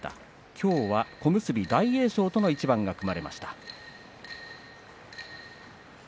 きょうは小結大栄翔との一番が組まれました。